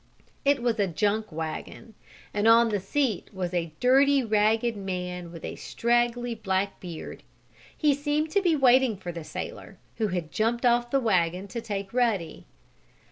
It was a junk wagon, and on the seat was a dirty, ragged man with a straggly black beard. He seemed to be waiting for the sailor, who had jumped off the wagon to take Ruddy.